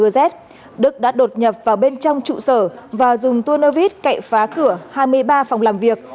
trong ngày mưa rét đức đã đột nhập vào bên trong trụ sở và dùng tuôn nơ vít cậy phá cửa hai mươi ba phòng làm việc